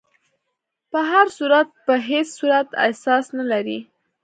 په هر صورت په هیڅ صورت اساس نه لري.